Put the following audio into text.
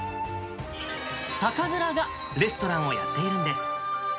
酒蔵がレストランをやっているんです。